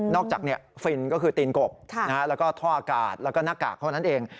นอกจากฟิลล์ก็คือตีนกบและเทาะกาดและก็หน้ากากเท่านั้นเอง